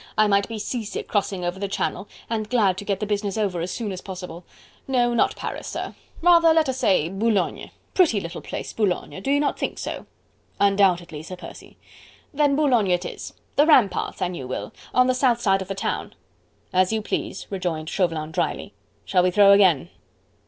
I might be sea sick crossing over the Channel, and glad to get the business over as soon as possible.... No, not Paris, sir rather let us say Boulogne.... Pretty little place, Boulogne... do you not think so...?" "Undoubtedly, Sir Percy." "Then Boulogne it is... the ramparts, an you will, on the south side of the town." "As you please," rejoined Chauvelin drily. "Shall we throw again?"